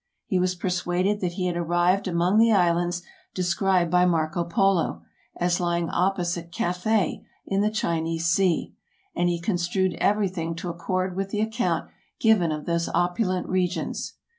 He was persuaded that he had arrived among the islands described by Marco Polo, as lying opposite Cathay, in the Chinese sea, and he construed everything to accord with the account given of those opulent regions.